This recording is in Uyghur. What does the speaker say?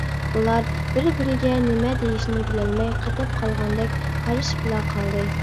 ئۇلار بىر-بىرىگە نېمە دېيىشىنى بىلەلمەي قېتىپ قالغاندەك قارىشىپلا قالدى.